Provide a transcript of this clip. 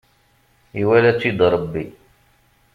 Iwala-tt-id Rebbi.